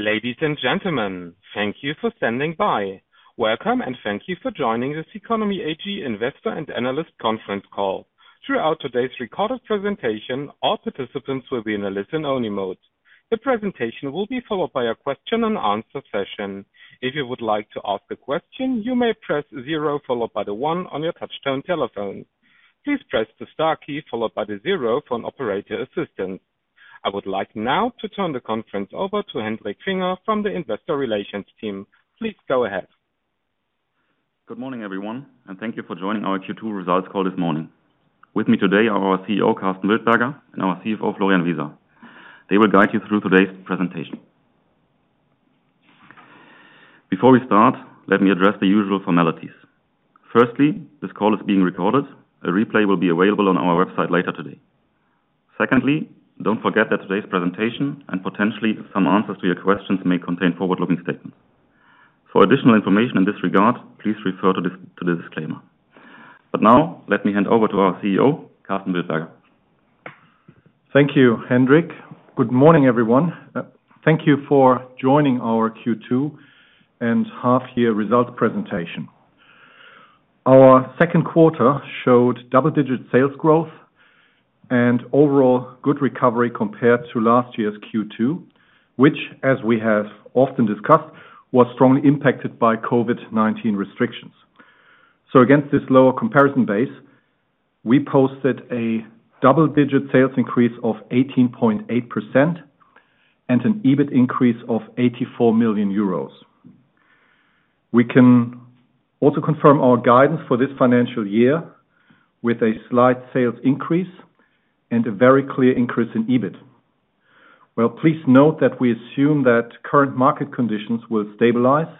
Ladies and gentlemen, thank you for standing by. Welcome and thank you for joining the CECONOMY AG Investor and Analyst Conference Call. Throughout today's recorded presentation, all participants will be in a listen-only mode. The presentation will be followed by a question and answer session. If you would like to ask a question, you may press zero followed by the one on your touchtone telephone. Please press the star key followed by the zero for an operator assistant. I would like now to turn the conference over to Hendrik Finger from the investor relations team. Please go ahead. Good morning, everyone, and thank you for joining our Q2 results call this morning. With me today are our CEO, Karsten Wildberger, and our CFO, Florian Wieser. They will guide you through today's presentation. Before we start, let me address the usual formalities. Firstly, this call is being recorded. A replay will be available on our website later today. Secondly, don't forget that today's presentation and potentially some answers to your questions may contain forward-looking statements. For additional information in this regard, please refer to the disclaimer. Now let me hand over to our CEO, Karsten Wildberger. Thank you, Hendrik. Good morning, everyone. Thank you for joining our Q2 and half year results presentation. Our second quarter showed double-digit sales growth and overall good recovery compared to last year's Q2, which, as we have often discussed, was strongly impacted by COVID-19 restrictions. Against this lower comparison base, we posted a double-digit sales increase of 18.8% and an EBIT increase of 84 million euros. We can also confirm our guidance for this financial year with a slight sales increase and a very clear increase in EBIT. Please note that we assume that current market conditions will stabilize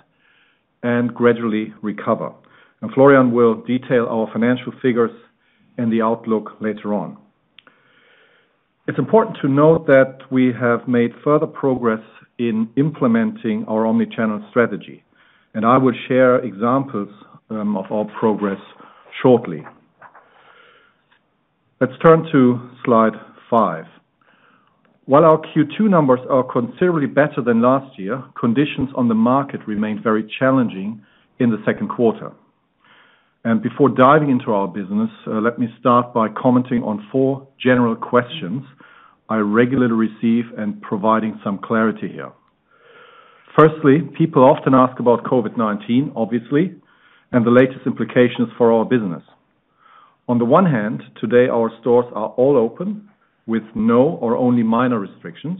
and gradually recover, and Florian will detail our financial figures and the outlook later on. It's important to note that we have made further progress in implementing our omni-channel strategy, and I will share examples of our progress shortly. Let's turn to slide five. While our Q2 numbers are considerably better than last year, conditions on the market remained very challenging in the second quarter. Before diving into our business, let me start by commenting on four general questions I regularly receive and providing some clarity here. Firstly, people often ask about COVID-19, obviously, and the latest implications for our business. On the one hand, today, our stores are all open with no or only minor restrictions,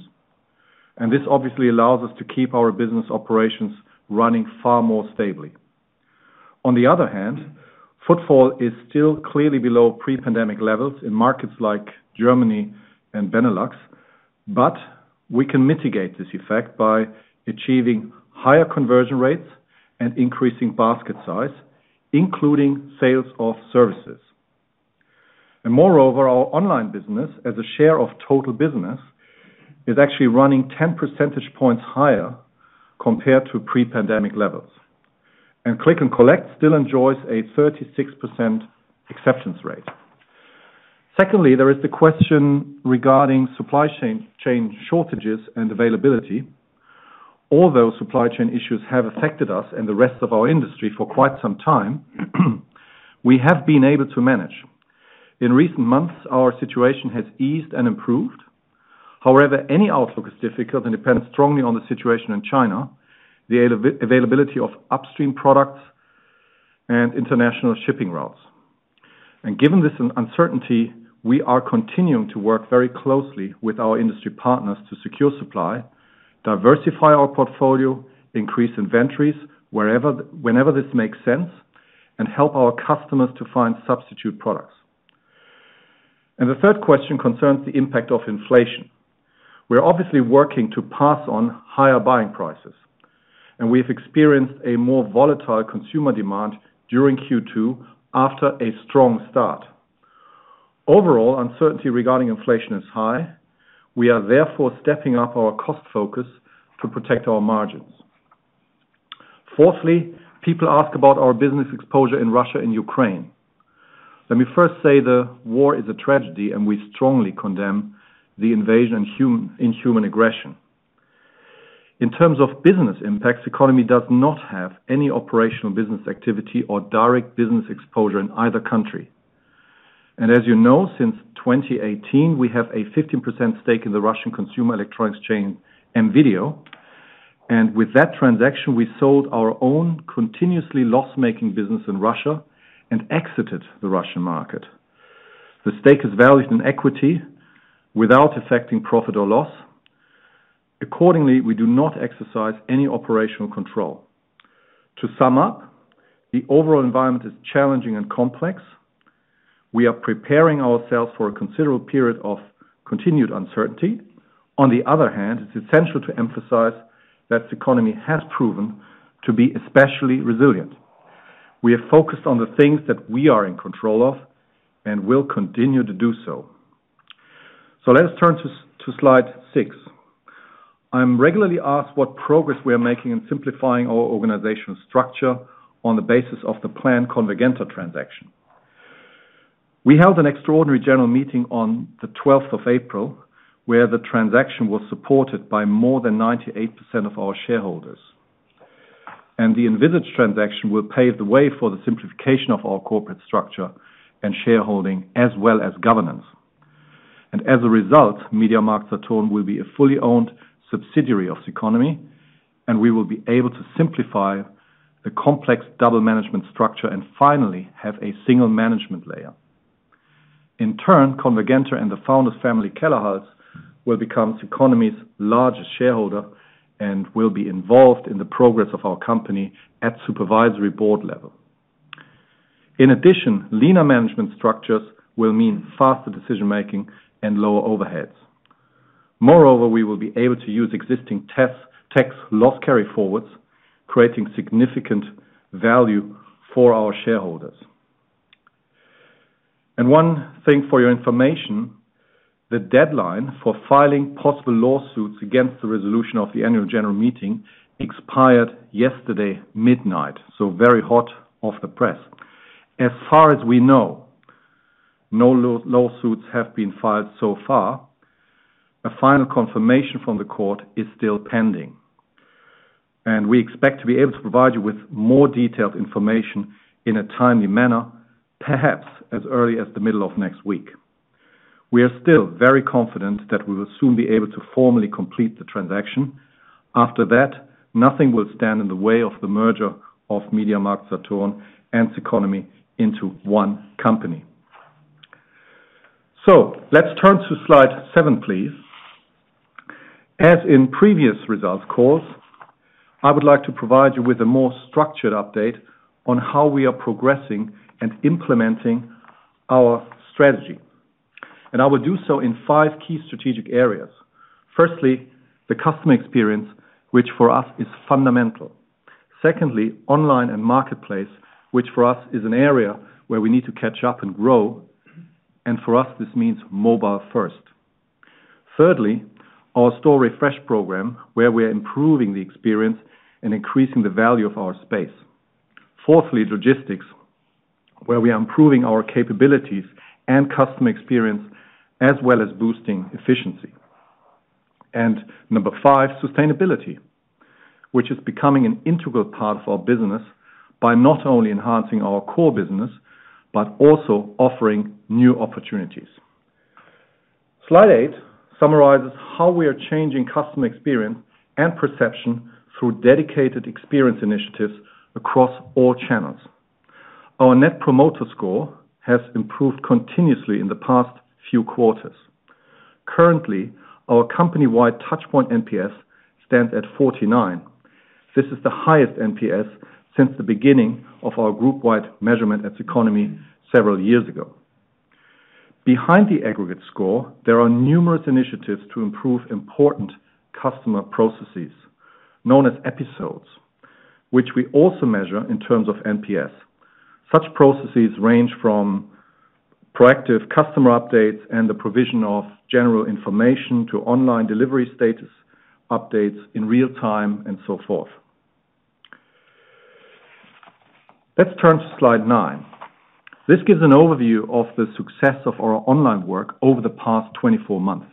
and this obviously allows us to keep our business operations running far more stably. On the other hand, footfall is still clearly below pre-pandemic levels in markets like Germany and Benelux, but we can mitigate this effect by achieving higher conversion rates and increasing basket size, including sales of services. Moreover, our online business, as a share of total business, is actually running 10 percentage points higher compared to pre-pandemic levels. Click and collect still enjoys a 36% acceptance rate. Secondly, there is the question regarding supply chain shortages and availability. Although supply chain issues have affected us and the rest of our industry for quite some time, we have been able to manage. In recent months, our situation has eased and improved. However, any outlook is difficult and depends strongly on the situation in China, the availability of upstream products and international shipping routes. Given this uncertainty, we are continuing to work very closely with our industry partners to secure supply, diversify our portfolio, increase inventories whenever this makes sense, and help our customers to find substitute products. The third question concerns the impact of inflation. We're obviously working to pass on higher buying prices, and we have experienced a more volatile consumer demand during Q2 after a strong start. Overall, uncertainty regarding inflation is high. We are therefore stepping up our cost focus to protect our margins. Fourthly, people ask about our business exposure in Russia and Ukraine. Let me first say the war is a tragedy and we strongly condemn the invasion and inhuman aggression. In terms of business impacts, CECONOMY does not have any operational business activity or direct business exposure in either country. As you know, since 2018, we have a 15% stake in the Russian consumer electronics chain, M.Video. With that transaction, we sold our own continuously loss-making business in Russia and exited the Russian market. The stake is valued in equity without affecting profit or loss. Accordingly, we do not exercise any operational control. To sum up, the overall environment is challenging and complex. We are preparing ourselves for a considerable period of continued uncertainty. On the other hand, it's essential to emphasize that the economy has proven to be especially resilient. We are focused on the things that we are in control of and will continue to do so. Let us turn to slide six. I'm regularly asked what progress we are making in simplifying our organizational structure on the basis of the planned Convergenta transaction. We held an extraordinary general meeting on the 12th of April, where the transaction was supported by more than 98% of our shareholders. The envisaged transaction will pave the way for the simplification of our corporate structure and shareholding as well as governance. As a result, MediaMarktSaturn will be a fully owned subsidiary of CECONOMY, and we will be able to simplify the complex double management structure and finally have a single management layer. In turn, Convergenta and the founder's family, Kellerhals, will become CECONOMY's largest shareholder and will be involved in the progress of our company at supervisory board level. In addition, leaner management structures will mean faster decision-making and lower overheads. Moreover, we will be able to use existing tax loss carryforwards, creating significant value for our shareholders. One thing for your information, the deadline for filing possible lawsuits against the resolution of the annual general meeting expired yesterday, midnight, so very hot off the press. As far as we know, no lawsuits have been filed so far. A final confirmation from the court is still pending. We expect to be able to provide you with more detailed information in a timely manner, perhaps as early as the middle of next week. We are still very confident that we will soon be able to formally complete the transaction. After that, nothing will stand in the way of the merger of MediaMarktSaturn and CECONOMY into one company. Let's turn to slide seven, please. As in previous results calls, I would like to provide you with a more structured update on how we are progressing and implementing our strategy. I will do so in five key strategic areas. Firstly, the customer experience, which for us is fundamental. Secondly, online and marketplace, which for us is an area where we need to catch up and grow. For us, this means mobile first. Thirdly, our store refresh program, where we are improving the experience and increasing the value of our space. Fourthly, logistics, where we are improving our capabilities and customer experience, as well as boosting efficiency. Number five, sustainability, which is becoming an integral part of our business by not only enhancing our core business, but also offering new opportunities. Slide 8 summarizes how we are changing customer experience and perception through dedicated experience initiatives across all channels. Our net promoter score has improved continuously in the past few quarters. Currently, our company-wide touch point NPS stands at 49. This is the highest NPS since the beginning of our group-wide measurement at CECONOMY several years ago. Behind the aggregate score, there are numerous initiatives to improve important customer processes known as episodes, which we also measure in terms of NPS. Such processes range from proactive customer updates and the provision of general information to online delivery status updates in real time and so forth. Let's turn to slide nine. This gives an overview of the success of our online work over the past 24 months.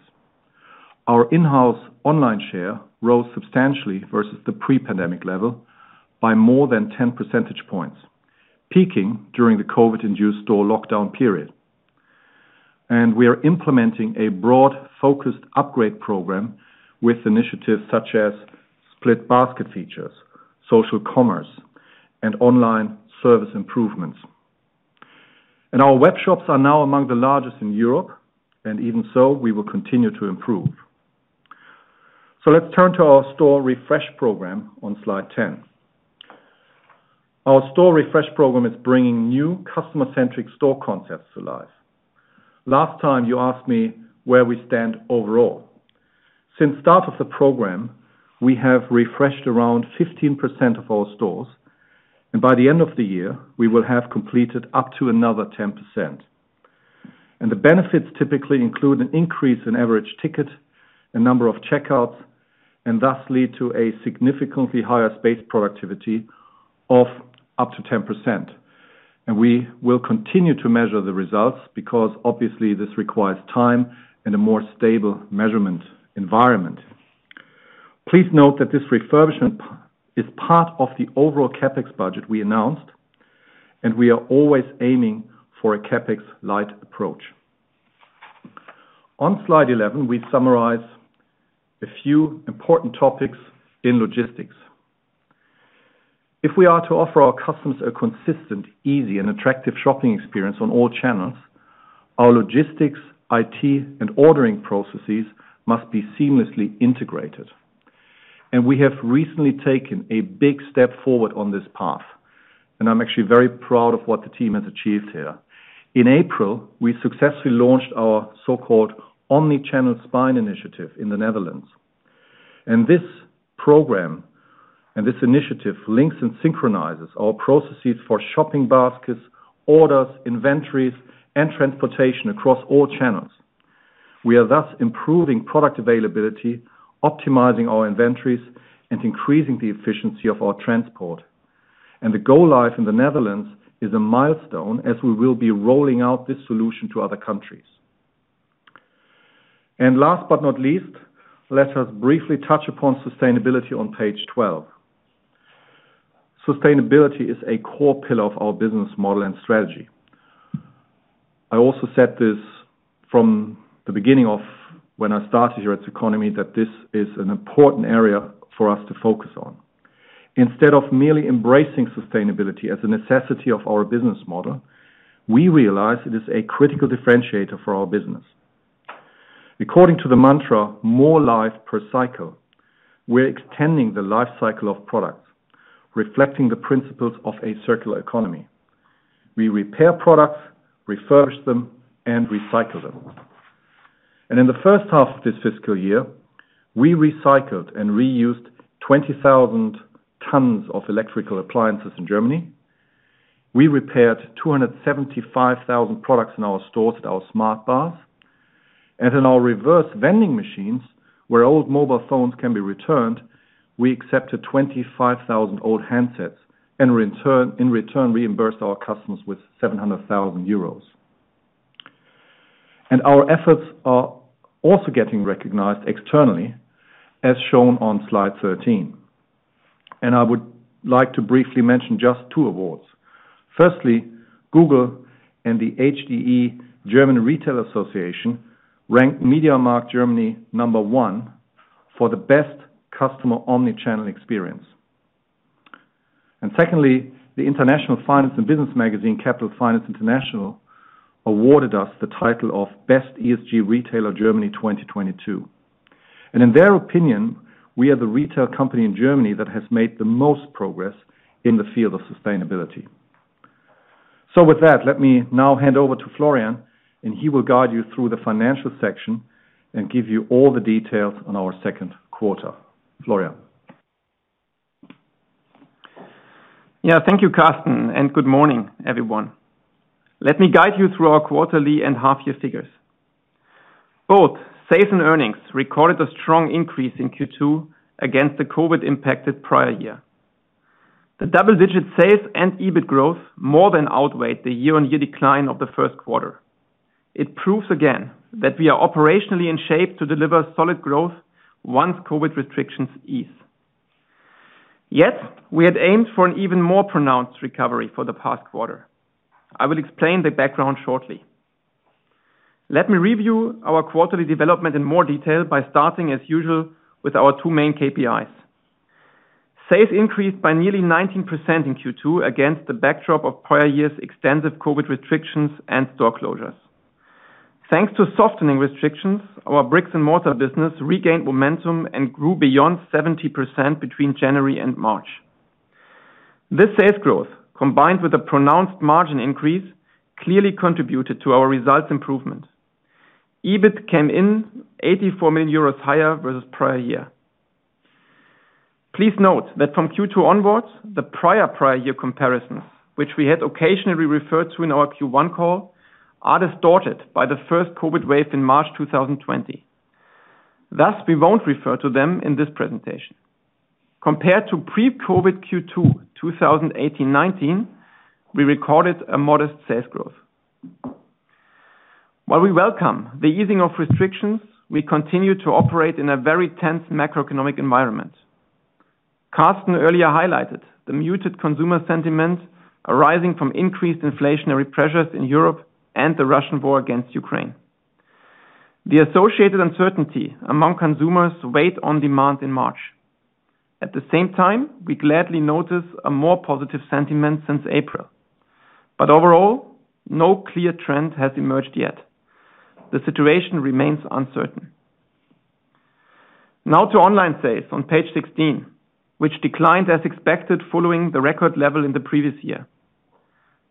Our in-house online share rose substantially versus the pre-pandemic level by more than 10 percentage points, peaking during the COVID-induced store lockdown period. We are implementing a broad, focused upgrade program with initiatives such as split basket features, social commerce, and online service improvements. Our web shops are now among the largest in Europe, and even so, we will continue to improve. Let's turn to our store refresh program on slide ten. Our store refresh program is bringing new customer-centric store concepts to life. Last time, you asked me where we stand overall. Since start of the program, we have refreshed around 15% of our stores, and by the end of the year, we will have completed up to another 10%. The benefits typically include an increase in average ticket and number of checkouts and thus lead to a significantly higher space productivity of up to 10%. We will continue to measure the results because obviously this requires time and a more stable measurement environment. Please note that this refurbishment is part of the overall CapEx budget we announced, and we are always aiming for a CapEx-light approach. On slide 11, we summarize a few important topics in logistics. If we are to offer our customers a consistent, easy, and attractive shopping experience on all channels, our logistics, IT, and ordering processes must be seamlessly integrated. We have recently taken a big step forward on this path, and I'm actually very proud of what the team has achieved here. In April, we successfully launched our so-called omni-channel spine initiative in the Netherlands. This program, and this initiative links and synchronizes our processes for shopping baskets, orders, inventories, and transportation across all channels. We are thus improving product availability, optimizing our inventories, and increasing the efficiency of our transport. The go live in the Netherlands is a milestone, as we will be rolling out this solution to other countries. Last but not least, let us briefly touch upon sustainability on page 12. Sustainability is a core pillar of our business model and strategy. I also said this from the beginning of when I started here at CECONOMY, that this is an important area for us to focus on. Instead of merely embracing sustainability as a necessity of our business model, we realize it is a critical differentiator for our business. According to the mantra, more life per cycle, we're extending the life cycle of products, reflecting the principles of a circular economy. We repair products, refurbish them, and recycle them. In the first half of this fiscal year, we recycled and reused 20,000 tons of electrical appliances in Germany. We repaired 275,000 products in our stores at our Smart Bars. In our reverse vending machines, where old mobile phones can be returned, we accepted 25,000 old handsets, and in return, reimbursed our customers with 700,000 euros. Our efforts are also getting recognized externally, as shown on slide 13. I would like to briefly mention just two awards. Firstly, Google and the HDE German Retail Association ranked MediaMarkt Germany number one for the best customer omni-channel experience. Secondly, the International Finance and Business magazine, Capital Finance International, awarded us the title of Best ESG Retailer Germany 2022. In their opinion, we are the retail company in Germany that has made the most progress in the field of sustainability. With that, let me now hand over to Florian, and he will guide you through the financial section and give you all the details on our second quarter. Florian. Yeah. Thank you, Karsten, and good morning, everyone. Let me guide you through our quarterly and half year figures. Both sales and earnings recorded a strong increase in Q2 against the COVID-impacted prior year. The double-digit sales and EBIT growth more than outweighed the year-on-year decline of the first quarter. It proves again that we are operationally in shape to deliver solid growth once COVID restrictions ease. Yet, we had aimed for an even more pronounced recovery for the past quarter. I will explain the background shortly. Let me review our quarterly development in more detail by starting as usual with our two main KPIs. Sales increased by nearly 19% in Q2 against the backdrop of prior year's extensive COVID restrictions and store closures. Thanks to softening restrictions, our bricks and mortar business regained momentum and grew beyond 70% between January and March. This sales growth, combined with a pronounced margin increase, clearly contributed to our results improvement. EBIT came in 84 million euros higher versus prior year. Please note that from Q2 onwards, the prior year comparisons, which we had occasionally referred to in our Q1 call, are distorted by the first COVID wave in March 2020. Thus, we won't refer to them in this presentation. Compared to pre-COVID Q2, 2018-2019, we recorded a modest sales growth. While we welcome the easing of restrictions, we continue to operate in a very tense macroeconomic environment. Karsten earlier highlighted the muted consumer sentiment arising from increased inflationary pressures in Europe and the Russian war against Ukraine. The associated uncertainty among consumers weighed on demand in March. At the same time, we gladly notice a more positive sentiment since April. Overall, no clear trend has emerged yet. The situation remains uncertain. Now to online sales on page 16, which declined as expected following the record level in the previous year.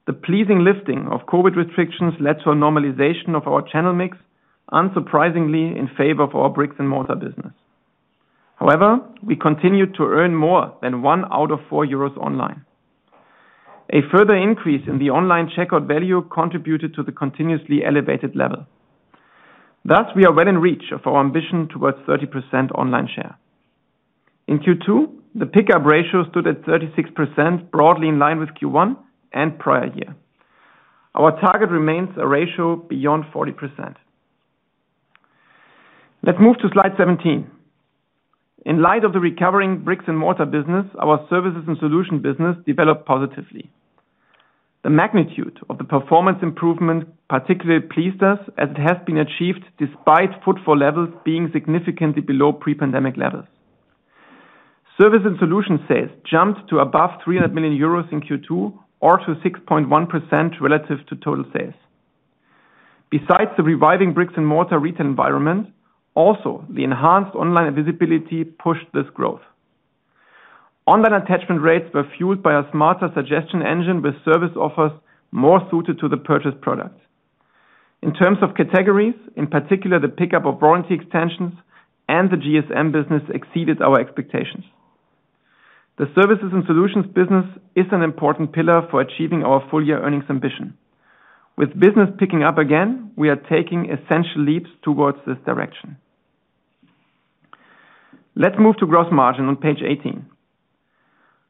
The pleasing lifting of COVID restrictions led to a normalization of our channel mix, unsurprisingly in favor of our bricks and mortar business. However, we continued to earn more than one out of 4 euros online. A further increase in the online checkout value contributed to the continuously elevated level. Thus, we are well in reach of our ambition towards 30% online share. In Q2, the pickup ratio stood at 36%, broadly in line with Q1 and prior year. Our target remains a ratio beyond 40%. Let's move to slide 17. In light of the recovering bricks and mortar business, our services and solutions business developed positively. The magnitude of the performance improvement particularly pleased us as it has been achieved despite footfall levels being significantly below pre-pandemic levels. Service and solution sales jumped to above 300 million euros in Q2 or to 6.1% relative to total sales. Besides the reviving bricks and mortar retail environment, also the enhanced online visibility pushed this growth. Online attachment rates were fueled by a smarter suggestion engine with service offers more suited to the purchased product. In terms of categories, in particular, the pickup of warranty extensions and the GSM business exceeded our expectations. The services and solutions business is an important pillar for achieving our full year earnings ambition. With business picking up again, we are taking essential leaps towards this direction. Let's move to gross margin on page 18.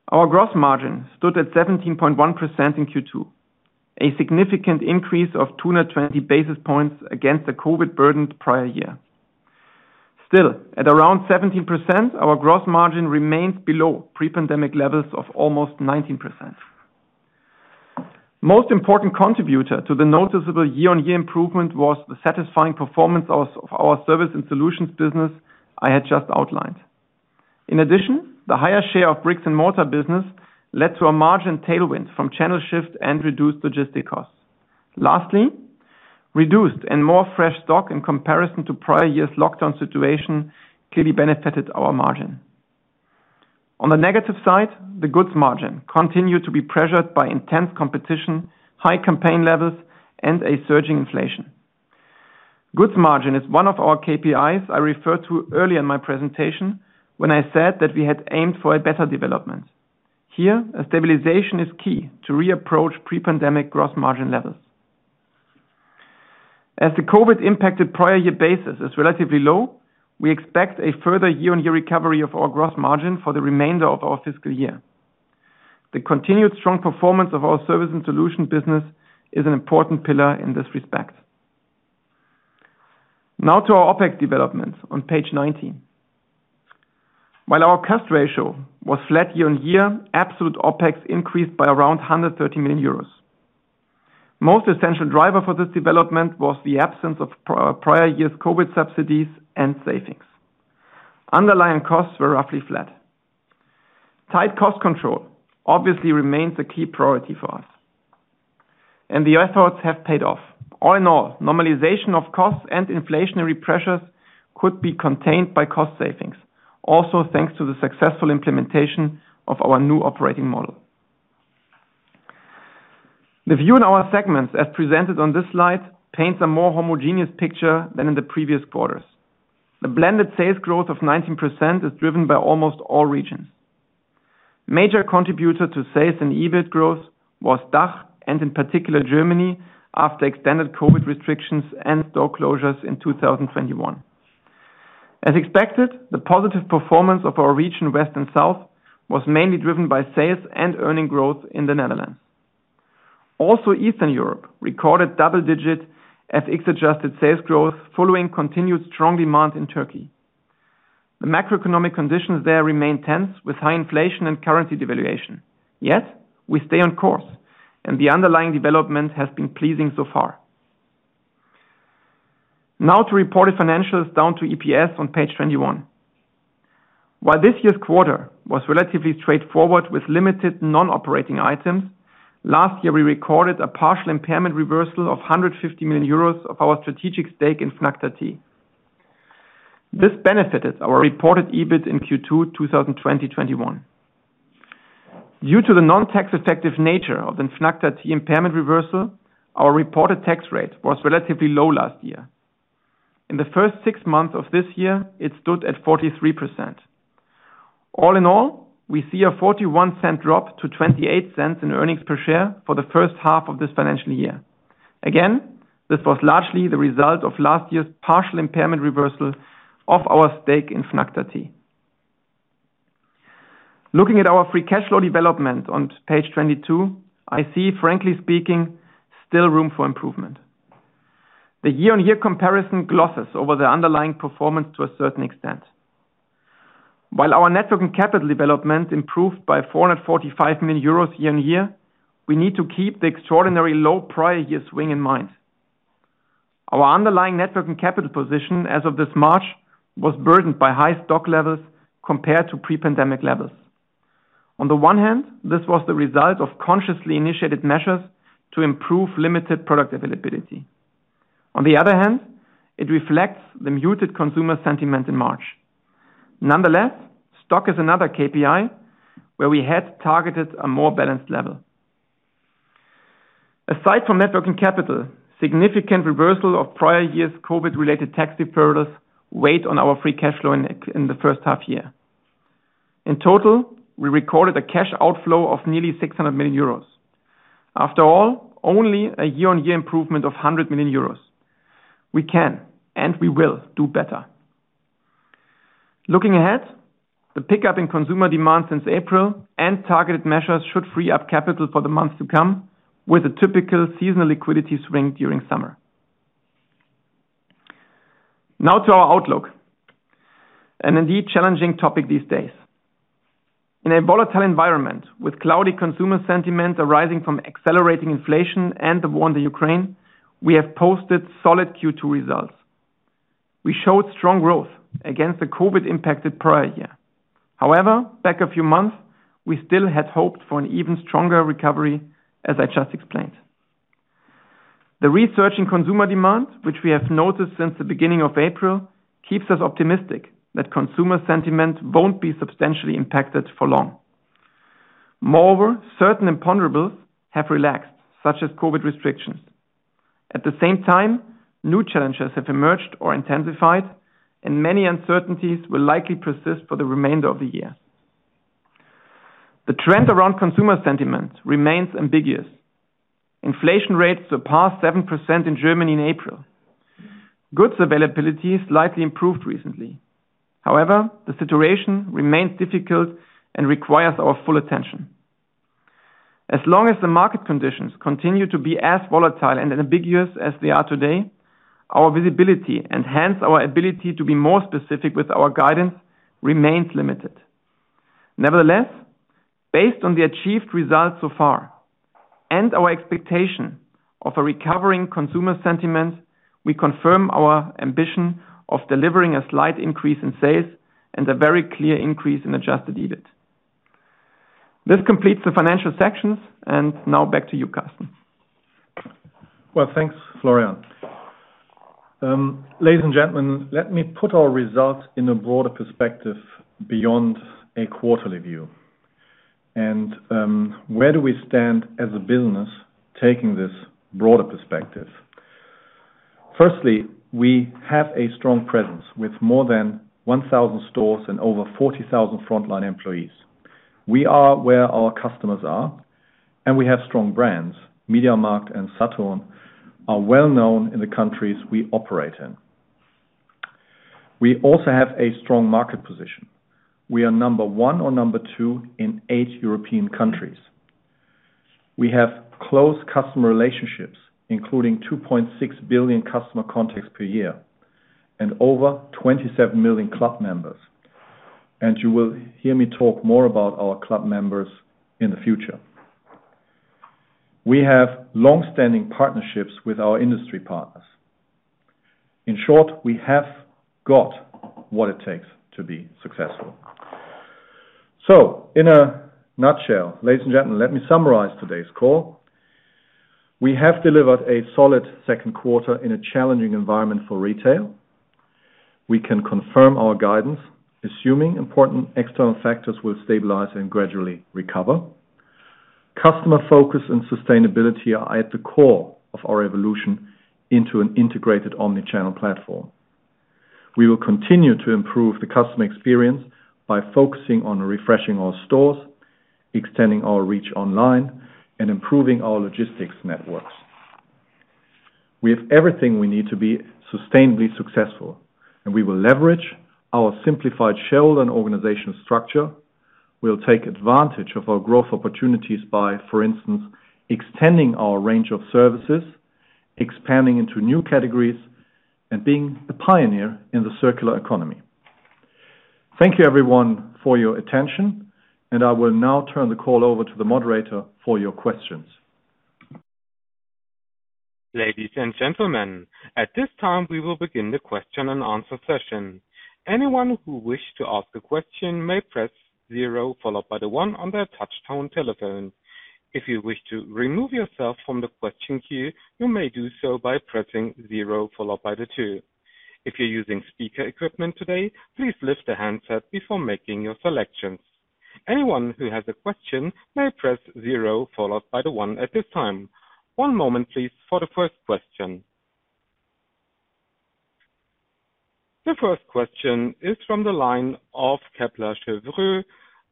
Our gross margin stood at 17.1% in Q2, a significant increase of 220 basis points against the COVID-burdened prior year. Still, at around 17%, our gross margin remains below pre-pandemic levels of almost 19%. Most important contributor to the noticeable year-on-year improvement was the satisfying performance of our service and solutions business I had just outlined. In addition, the higher share of bricks and mortar business led to a margin tailwind from channel shift and reduced logistics costs. Lastly, reduced and more fresh stock in comparison to prior year's lockdown situation clearly benefited our margin. On the negative side, the goods margin continued to be pressured by intense competition, high campaign levels, and a surging inflation. Goods margin is one of our KPIs I referred to earlier in my presentation when I said that we had aimed for a better development. Here, a stabilization is key to reapproach pre-pandemic gross margin levels. As the COVID impacted prior year basis is relatively low, we expect a further year-on-year recovery of our gross margin for the remainder of our fiscal year. The continued strong performance of our service and solution business is an important pillar in this respect. Now to our OpEx developments on page 19. While our cost ratio was flat year-on-year, absolute OpEx increased by around 130 million euros. Most essential driver for this development was the absence of prior year's COVID subsidies and savings. Underlying costs were roughly flat. Tight cost control obviously remains a key priority for us, and the efforts have paid off. All in all, normalization of costs and inflationary pressures could be contained by cost savings, thanks to the successful implementation of our new operating model. The view in our segments, as presented on this slide, paints a more homogeneous picture than in the previous quarters. The blended sales growth of 19% is driven by almost all regions. Major contributor to sales and EBIT growth was DACH, and in particular Germany, after extended COVID restrictions and store closures in 2021. As expected, the positive performance of our region West and South was mainly driven by sales and earnings growth in the Netherlands. Eastern Europe recorded double-digit FX-adjusted sales growth following continued strong demand in Turkey. The macroeconomic conditions there remain tense with high inflation and currency devaluation. Yet, we stay on course, and the underlying development has been pleasing so far. Now to reported financials down to EPS on page 21. While this year's quarter was relatively straightforward with limited non-operating items, last year we recorded a partial impairment reversal of 150 million euros of our strategic stake in Fnac Darty. This benefited our reported EBIT in Q2 2020-2021. Due to the non-tax effective nature of the Fnac Darty impairment reversal, our reported tax rate was relatively low last year. In the first six months of this year, it stood at 43%. All in all, we see a 0.41 drop to 0.28 in earnings per share for the first half of this financial year. Again, this was largely the result of last year's partial impairment reversal of our stake in Fnac Darty. Looking at our free cash flow development on page 22, I see, frankly speaking, still room for improvement. The year-on-year comparison glosses over the underlying performance to a certain extent. While our net working capital development improved by 445 million euros year-on-year, we need to keep the extraordinary low prior year swing in mind. Our underlying net working capital position as of this March was burdened by high stock levels compared to pre-pandemic levels. On the one hand, this was the result of consciously initiated measures to improve limited product availability. On the other hand, it reflects the muted consumer sentiment in March. Nonetheless, stock is another KPI where we had targeted a more balanced level. Aside from net working capital, significant reversal of prior year's COVID related tax deferrals weighed on our free cash flow in the first half year. In total, we recorded a cash outflow of nearly 600 million euros. After all, only a year-on-year improvement of 100 million euros. We can, and we will do better. Looking ahead, the pickup in consumer demand since April and targeted measures should free up capital for the months to come with a typical seasonal liquidity swing during summer. Now to our outlook, and indeed challenging topic these days. In a volatile environment with cloudy consumer sentiment arising from accelerating inflation and the war in Ukraine, we have posted solid Q2 results. We showed strong growth against the COVID impacted prior year. However, back a few months, we still had hoped for an even stronger recovery, as I just explained. The resurgence in consumer demand, which we have noticed since the beginning of April, keeps us optimistic that consumer sentiment won't be substantially impacted for long. Moreover, certain imponderables have relaxed, such as COVID restrictions. At the same time, new challenges have emerged or intensified, and many uncertainties will likely persist for the remainder of the year. The trend around consumer sentiment remains ambiguous. Inflation rates surpassed 7% in Germany in April. Goods availability slightly improved recently. However, the situation remains difficult and requires our full attention. As long as the market conditions continue to be as volatile and ambiguous as they are today, our visibility, and hence our ability to be more specific with our guidance, remains limited. Nevertheless, based on the achieved results so far and our expectation of a recovering consumer sentiment, we confirm our ambition of delivering a slight increase in sales and a very clear increase in adjusted EBIT. This completes the financial sections, and now back to you, Karsten. Well, thanks, Florian. Ladies and gentlemen, let me put our results in a broader perspective beyond a quarterly view. Where do we stand as a business taking this broader perspective? Firstly, we have a strong presence with more than 1,000 stores and over 40,000 frontline employees. We are where our customers are, and we have strong brands. MediaMarkt and Saturn are well known in the countries we operate in. We also have a strong market position. We are number one or number two in eight European countries. We have close customer relationships, including 2.6 billion customer contacts per year and over 27 million club members. You will hear me talk more about our club members in the future. We have long-standing partnerships with our industry partners. In short, we have got what it takes to be successful. In a nutshell, ladies and gentlemen, let me summarize today's call. We have delivered a solid second quarter in a challenging environment for retail. We can confirm our guidance, assuming important external factors will stabilize and gradually recover. Customer focus and sustainability are at the core of our evolution into an integrated omni-channel platform. We will continue to improve the customer experience by focusing on refreshing our stores, extending our reach online, and improving our logistics networks. We have everything we need to be sustainably successful, and we will leverage our simplified shareholder and organizational structure. We'll take advantage of our growth opportunities by, for instance, extending our range of services, expanding into new categories, and being a pioneer in the circular economy. Thank you, everyone, for your attention, and I will now turn the call over to the moderator for your questions. Ladies and gentlemen, at this time, we will begin the question-and-answer session. Anyone who wish to ask a question may press zero followed by the one on their touchtone telephone. If you wish to remove yourself from the question queue, you may do so by pressing zero followed by the two. If you're using speaker equipment today, please lift the handset before making your selections. Anyone who has a question may press zero followed by the one at this time. One moment, please, for the first question. The first question is from the line of Kepler Cheuvreux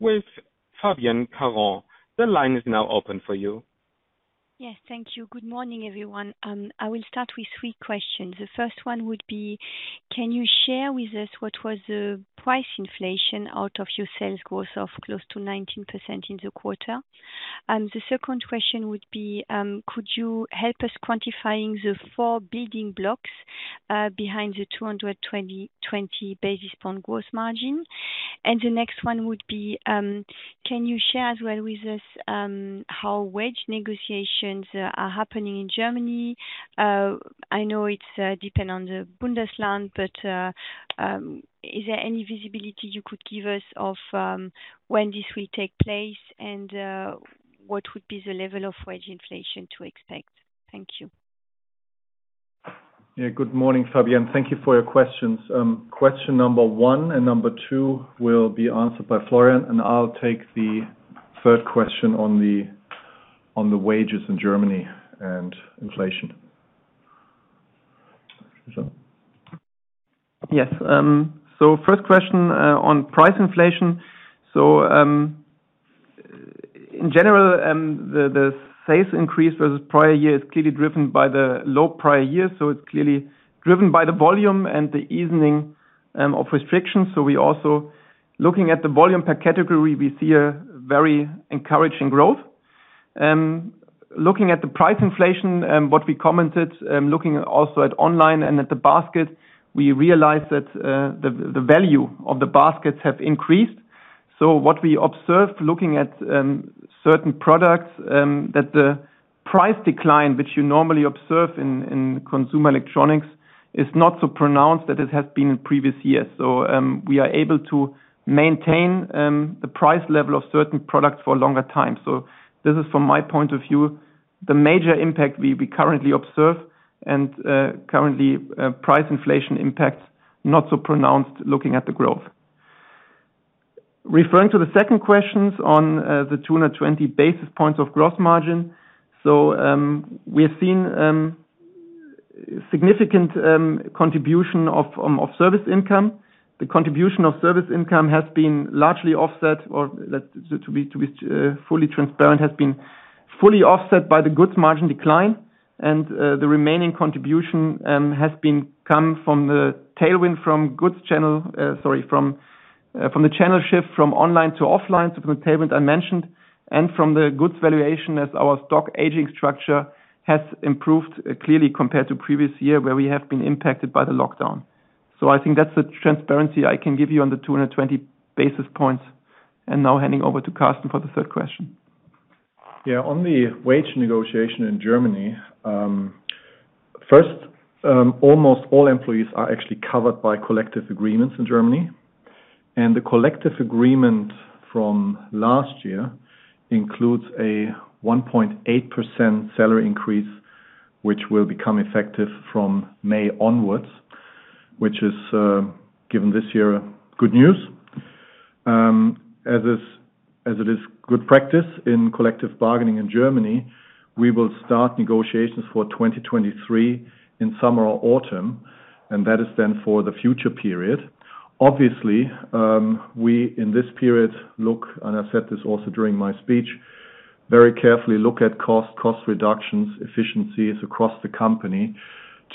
with Fabienne Caron. The line is now open for you. Yes, thank you. Good morning, everyone. I will start with three questions. The first one would be, can you share with us what was the price inflation out of your sales growth of close to 19% in the quarter? The second question would be, could you help us quantifying the four building blocks behind the 220-20 basis points on gross margin? The next one would be, can you share as well with us how wage negotiations are happening in Germany? I know it's depend on the Bundesland, but is there any visibility you could give us of when this will take place and what would be the level of wage inflation to expect? Thank you. Yeah. Good morning, Fabienne. Thank you for your questions. Question number one and number two will be answered by Florian, and I'll take the third question on the wages in Germany and inflation. Florian. Yes. First question on price inflation. In general, the sales increase versus prior year is clearly driven by the low prior year, so it's clearly driven by the volume and the easing of restrictions. We also, looking at the volume per category, see a very encouraging growth. Looking at the price inflation, what we commented, looking also at online and at the basket, we realized that the value of the baskets have increased. What we observed looking at certain products that the price decline, which you normally observe in consumer electronics, is not so pronounced that it has been in previous years. We are able to maintain the price level of certain products for a longer time. This is from my point of view. The major impact we currently observe and currently price inflation impacts not so pronounced looking at the growth. Referring to the second questions on the 220 basis points of gross margin. We have seen significant contribution of service income. The contribution of service income has been largely offset—to be fully transparent, has been fully offset—by the goods margin decline, and the remaining contribution has come from the tailwind from the channel shift from online to offline, so from the payment I mentioned, and from the goods valuation as our stock aging structure has improved clearly compared to previous year where we have been impacted by the lockdown. I think that's the transparency I can give you on the 220 basis points. Now handing over to Karsten for the third question. Yeah. On the wage negotiation in Germany, first, almost all employees are actually covered by collective agreements in Germany. The collective agreement from last year includes a 1.8% salary increase, which will become effective from May onwards, which is, given this year, good news. As it is good practice in collective bargaining in Germany, we will start negotiations for 2023 in summer or autumn, and that is then for the future period. Obviously, we in this period look, and I've said this also during my speech, very carefully at cost reductions, efficiencies across the company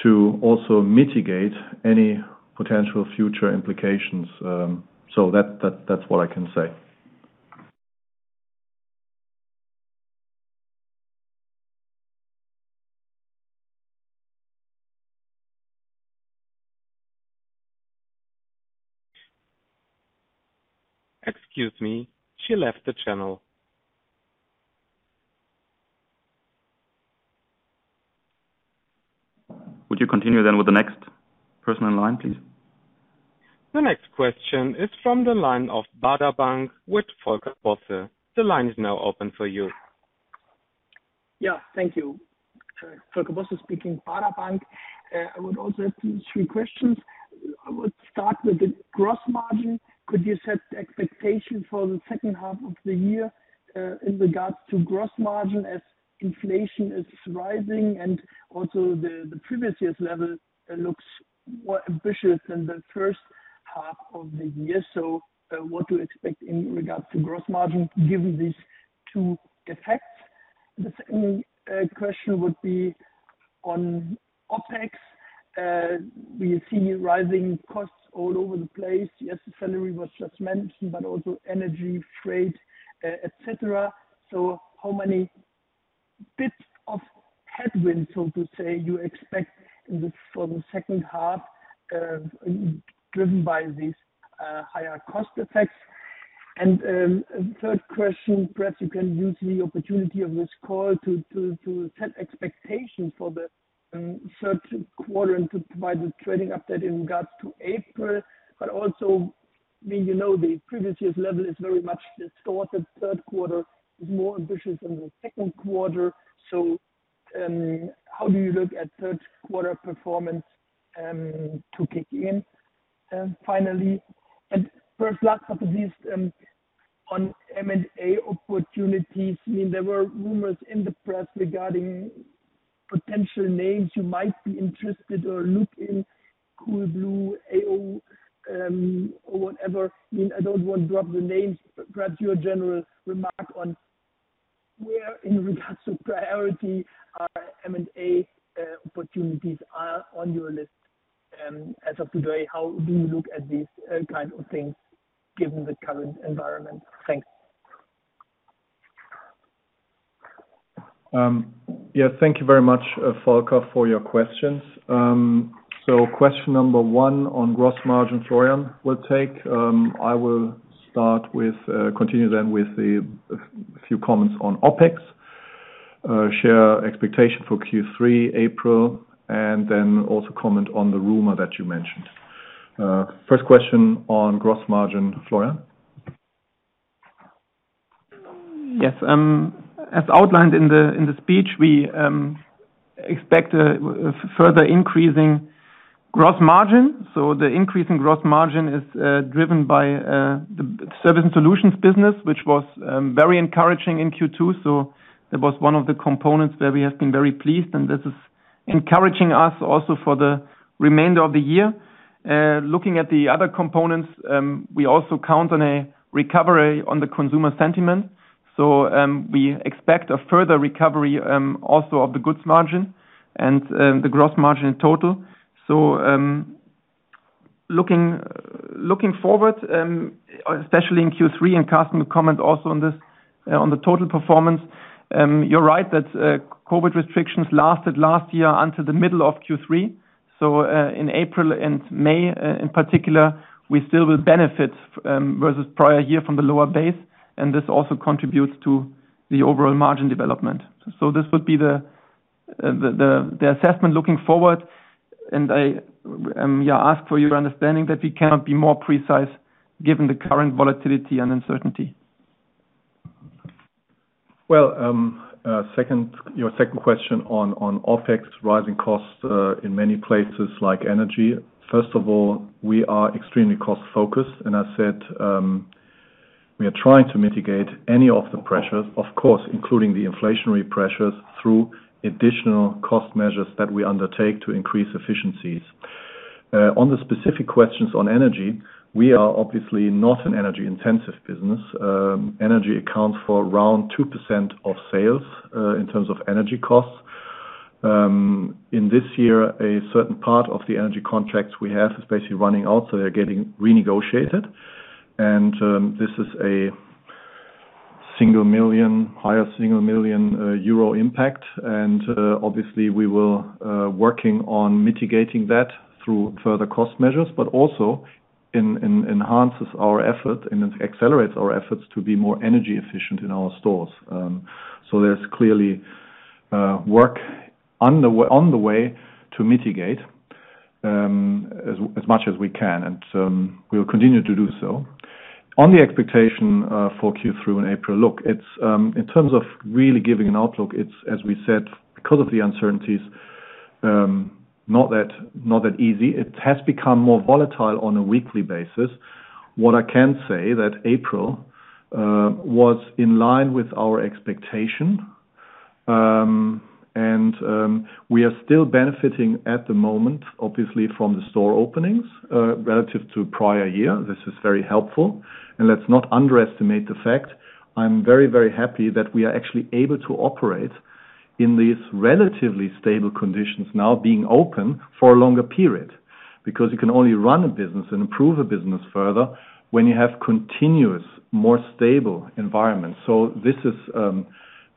to also mitigate any potential future implications. That's what I can say. Excuse me, she left the channel. Would you continue then with the next person in line, please? The next question is from the line of Baader Bank with Volker Bosse. The line is now open for you. Yeah. Thank you. Volker Bosse speaking, Baader Bank. I would also have two, three questions. I would start with the gross margin. Could you set the expectation for the second half of the year in regards to gross margin as inflation is rising and also the previous year's level looks more ambitious than the first half of the year? What to expect in regards to gross margin given these two effects? The second question would be on OpEx. We see rising costs all over the place. Yes, the salary was just mentioned, but also energy, freight, et cetera. How much of a headwind, so to say, you expect for the second half driven by these higher cost effects? Third question, perhaps you can use the opportunity of this call to set expectations for the third quarter and to provide the trading update in regards to April. Also, I mean, you know, the previous year's level is very much distorted. Third quarter is more ambitious than the second quarter. How do you look at third quarter performance to kick in? Finally, and perhaps last but not least, on M&A opportunities. I mean, there were rumors in the press regarding potential names you might be interested or look in Coolblue, AO, or whatever. I mean, I don't want to drop the names, but perhaps your general remark on where in regards to priority are M&A opportunities are on your list, as of today, how do you look at these kind of things given the current environment? Thanks. Yeah, thank you very much, Volker, for your questions. Question number one on gross margin, Florian will take. I will start with, continue then with the few comments on OpEx, share expectation for Q3, April, and then also comment on the rumor that you mentioned. First question on gross margin, Florian. Yes. As outlined in the speech, we expect a further increasing gross margin. The increase in gross margin is driven by the service and solutions business, which was very encouraging in Q2. That was one of the components where we have been very pleased, and this is encouraging us also for the remainder of the year. Looking at the other components, we also count on a recovery on the consumer sentiment. We expect a further recovery also of the goods margin and the gross margin in total. Looking forward, especially in Q3, and Karsten will comment also on this, on the total performance. You're right that COVID restrictions lasted last year until the middle of Q3. in April and May, in particular, we still will benefit, versus prior year from the lower base, and this also contributes to the overall margin development. this would be the The assessment looking forward, and I ask for your understanding that we cannot be more precise given the current volatility and uncertainty. Well, second, your second question on OpEx rising costs in many places like energy. First of all, we are extremely cost-focused, and I said, we are trying to mitigate any of the pressures, of course, including the inflationary pressures through additional cost measures that we undertake to increase efficiencies. On the specific questions on energy, we are obviously not an energy-intensive business. Energy accounts for around 2% of sales in terms of energy costs. In this year, a certain part of the energy contracts we have is basically running out, so they're getting renegotiated. This is a high single million EUR impact. Obviously we will be working on mitigating that through further cost measures, but also enhances our effort and it accelerates our efforts to be more energy efficient in our stores. There's clearly work on the way to mitigate as much as we can. We'll continue to do so. On the expectation for Q2 in April, look, it's in terms of really giving an outlook, it's as we said, because of the uncertainties, not that easy. It has become more volatile on a weekly basis. What I can say that April was in line with our expectation. We are still benefiting at the moment, obviously from the store openings relative to prior year. This is very helpful. Let's not underestimate the fact I'm very, very happy that we are actually able to operate in these relatively stable conditions now being open for a longer period. You can only run a business and improve a business further when you have continuous, more stable environment. This is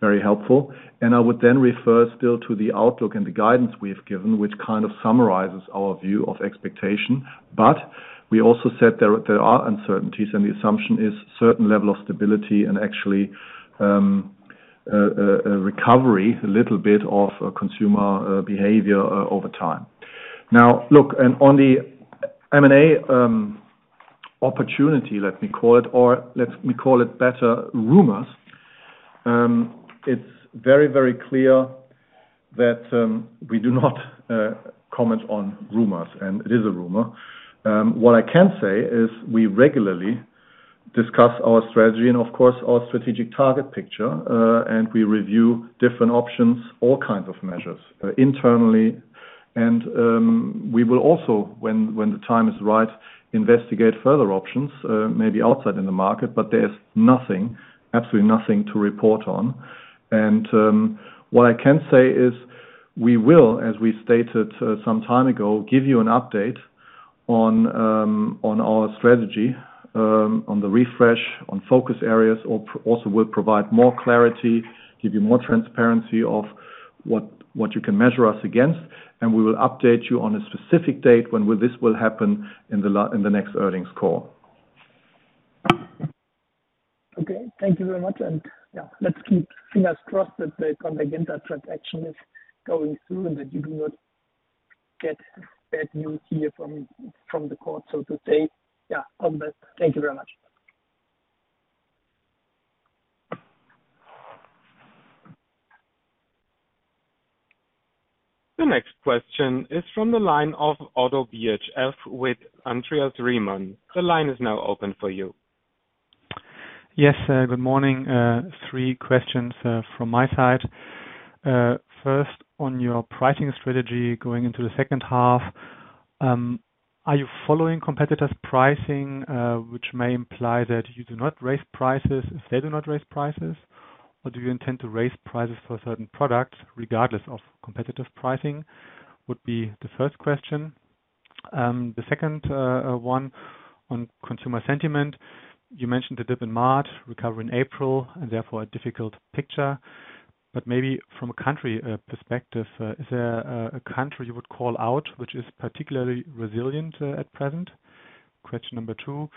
very helpful, and I would then refer still to the outlook and the guidance we have given, which kind of summarizes our view of expectation. We also said there are uncertainties and the assumption is certain level of stability and actually a recovery, a little bit of consumer behavior over time. Now look on the M&A opportunity, let me call it or let me call it better rumors. It's very, very clear that we do not comment on rumors, and it is a rumor. What I can say is we regularly discuss our strategy and of course our strategic target picture. We review different options, all kinds of measures internally. We will also, when the time is right, investigate further options, maybe outside in the market. There's nothing, absolutely nothing to report on. What I can say is we will, as we stated some time ago, give you an update on our strategy, on the refresh, on focus areas. Also will provide more clarity, give you more transparency of what you can measure us against, and we will update you on a specific date when this will happen in the next earnings call. Okay. Thank you very much. Yeah, let's keep fingers crossed that the Convergenta transaction is going through and that you do not get bad news here from the court, so to speak. Yeah. All the best. Thank you very much. The next question is from the line of Oddo BHF with Andreas Riemann. The line is now open for you. Yes, good morning. Three questions from my side. First on your pricing strategy going into the second half, are you following competitors' pricing, which may imply that you do not raise prices if they do not raise prices, or do you intend to raise prices for certain products regardless of competitors' pricing? Would be the first question. The second one on consumer sentiment. You mentioned the dip in March, recovery in April, and therefore a difficult picture, but maybe from a country perspective, is there a country you would call out, which is particularly resilient at present? Question number two.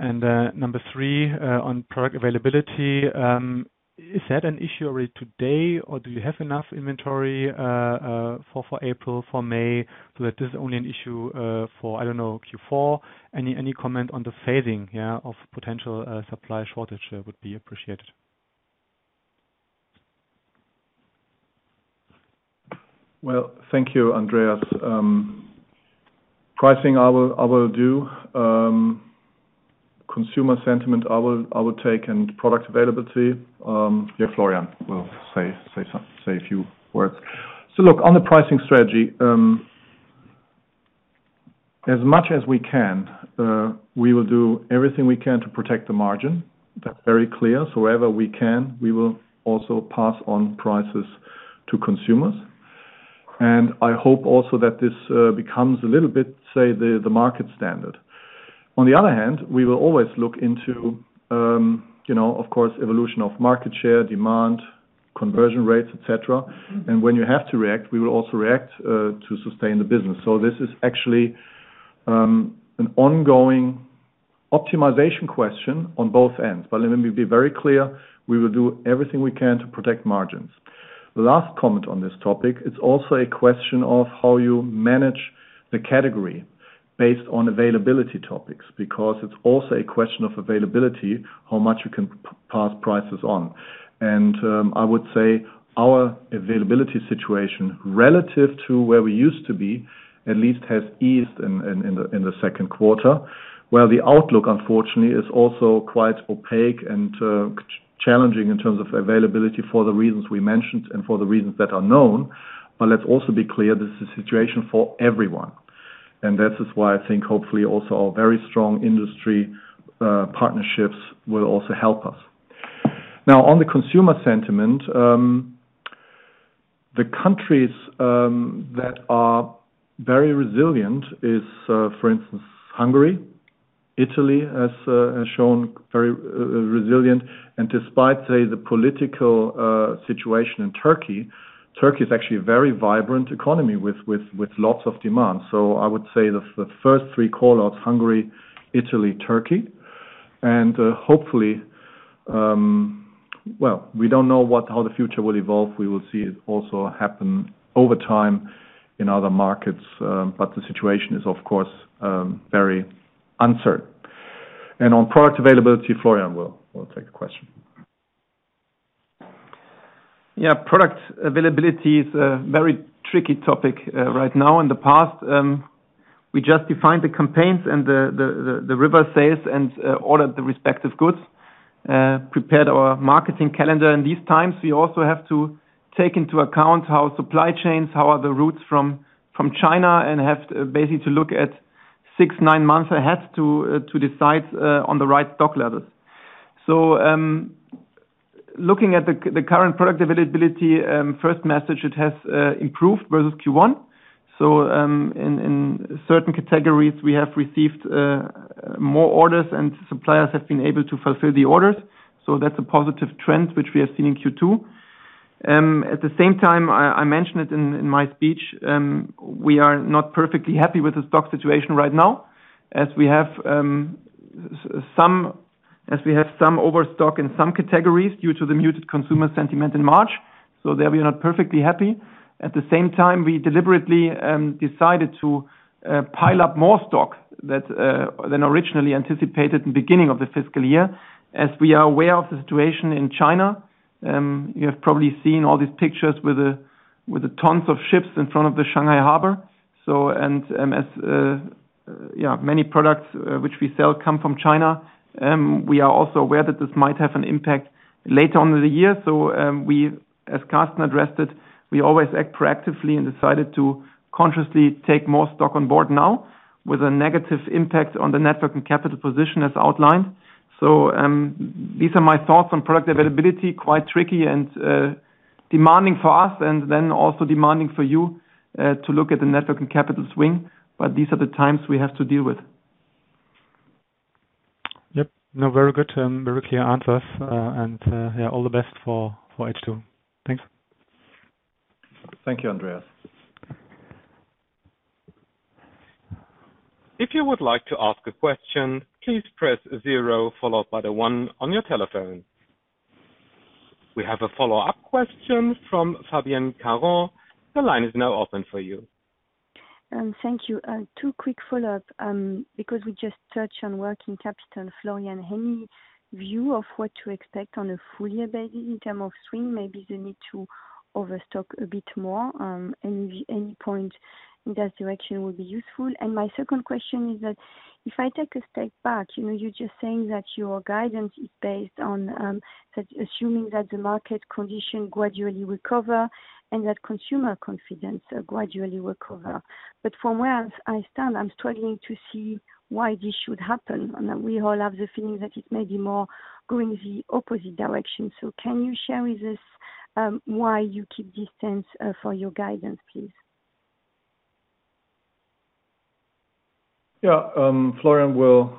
Number three on product availability, is that an issue already today or do you have enough inventory for April, for May, so that this is only an issue for I don't know Q4? Any comment on the phasing yeah of potential supply shortage would be appreciated. Well, thank you, Andreas. Pricing I will do. Consumer sentiment, I will take. Product availability, Florian will say a few words. Look, on the pricing strategy, as much as we can, we will do everything we can to protect the margin. That's very clear. Wherever we can, we will also pass on prices to consumers. I hope also that this becomes a little bit, say, the market standard. On the other hand, we will always look into, you know, of course, evolution of market share, demand, conversion rates, et cetera. When you have to react, we will also react to sustain the business. This is actually an ongoing optimization question on both ends. Let me be very clear, we will do everything we can to protect margins. The last comment on this topic, it's also a question of how you manage the category based on availability topics, because it's also a question of availability, how much you can pass prices on. I would say our availability situation, relative to where we used to be, at least has eased in the second quarter, where the outlook, unfortunately, is also quite opaque and challenging in terms of availability for the reasons we mentioned and for the reasons that are known. Let's also be clear, this is a situation for everyone, and that is why I think hopefully also our very strong industry partnerships will also help us. Now, on the consumer sentiment, the countries that are very resilient is for instance, Hungary. Italy has shown very resilient. Despite the political situation in Turkey is actually a very vibrant economy with lots of demand. I would say the first three call-outs Hungary, Italy, Turkey. Hopefully, well, we don't know how the future will evolve. We will see it also happen over time in other markets. The situation is, of course, very uncertain. On product availability, Florian will take the question. Yeah. Product availability is a very tricky topic right now. In the past, we just defined the campaigns and the RISER sales and ordered the respective goods, prepared our marketing calendar. In these times, we also have to take into account how supply chains, how are the routes from China and have to basically look at six, nine months ahead to decide on the right stock levels. Looking at the current product availability, first message, it has improved versus Q1. In certain categories we have received more orders and suppliers have been able to fulfill the orders. That's a positive trend which we have seen in Q2. At the same time, I mentioned it in my speech, we are not perfectly happy with the stock situation right now as we have some overstock in some categories due to the muted consumer sentiment in March. There we are not perfectly happy. At the same time, we deliberately decided to pile up more stock than originally anticipated in the beginning of the fiscal year, as we are aware of the situation in China. You have probably seen all these pictures with the tons of ships in front of the Shanghai Harbor. Many products which we sell come from China, we are also aware that this might have an impact later on in the year. We, as Karsten addressed it, always act proactively and decided to consciously take more stock on board now with a negative impact on the net working capital position as outlined. These are my thoughts on product availability, quite tricky and demanding for us and then also demanding for you to look at the net working capital swing. These are the times we have to deal with. Yep. No, very good. Very clear answers. Yeah, all the best for H2. Thanks. Thank you, Andreas. If you would like to ask a question, please press zero followed by the one on your telephone. We have a follow-up question from Fabienne Caron. The line is now open for you. Thank you. Two quick follow-ups, because we just touched on working capital. Florian, any view of what to expect on a full-year basis in terms of swing, maybe the need to overstock a bit more, any point in that direction would be useful. My second question is that if I take a step back, you know, you're just saying that your guidance is based on that assuming that the market conditions gradually recover and that consumer confidence gradually recovers. From where I stand, I'm struggling to see why this should happen. We all have the feeling that it may be more going the opposite direction. Can you share with us why you keep this stance for your guidance, please? Yeah. Florian will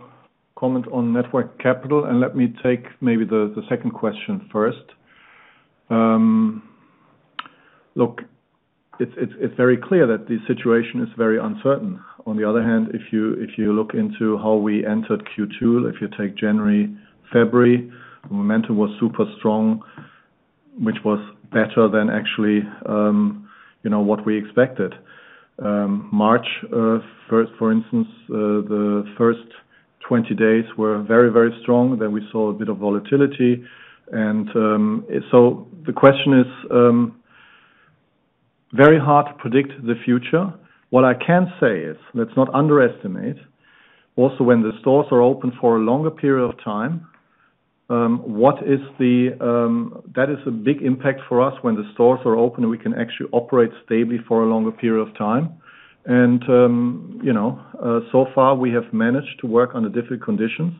comment on net working capital, and let me take maybe the second question first. Look, it's very clear that the situation is very uncertain. On the other hand, if you look into how we entered Q2, if you take January, February, momentum was super strong, which was better than actually you know what we expected. March, for instance, the first 20 days were very strong. Then we saw a bit of volatility and the question is very hard to predict the future. What I can say is, let's not underestimate also when the stores are open for a longer period of time what is the impact for us when the stores are open and we can actually operate stably for a longer period of time. You know, so far we have managed to work under difficult conditions,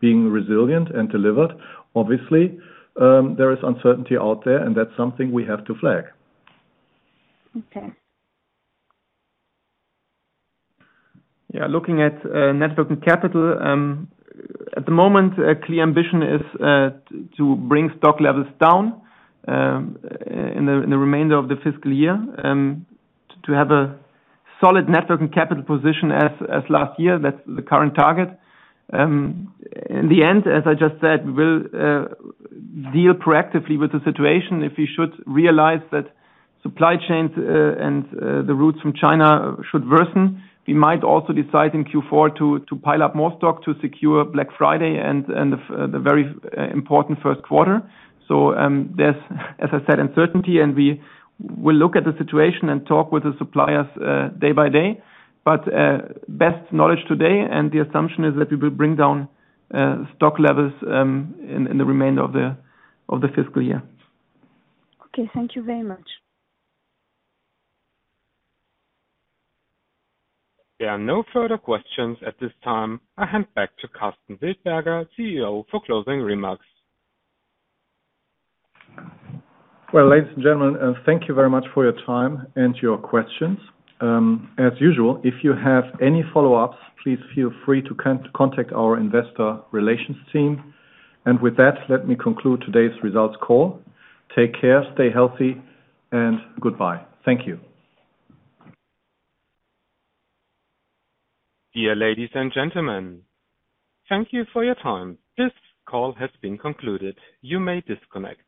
being resilient and delivered. Obviously, there is uncertainty out there, and that's something we have to flag. Okay. Yeah. Looking at net working capital, at the moment, a clear ambition is to bring stock levels down in the remainder of the fiscal year to have a solid net working capital position as last year. That's the current target. In the end, as I just said, we'll deal proactively with the situation. If we should realize that supply chains and the routes from China should worsen, we might also decide in Q4 to pile up more stock to secure Black Friday and the very important first quarter. There's, as I said, uncertainty, and we will look at the situation and talk with the suppliers day by day. Best knowledge today and the assumption is that we will bring down stock levels in the remainder of the fiscal year. Okay. Thank you very much. There are no further questions at this time. I hand back to Karsten Wildberger, CEO, for closing remarks. Well, ladies and gentlemen, thank you very much for your time and your questions. As usual, if you have any follow-ups, please feel free to contact our investor relations team. With that, let me conclude today's results call. Take care, stay healthy, and goodbye. Thank you. Dear ladies and gentlemen, thank you for your time. This call has been concluded. You may disconnect.